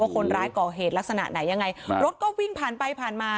คนร้ายก่อเหตุลักษณะไหนยังไงรถก็วิ่งผ่านไปผ่านมา